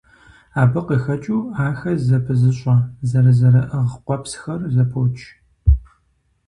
Абы къыхэкӀыу, ахэр зэпызыщӀэ, зэрызэрыӀыгъ къуэпсхэр зэпоч.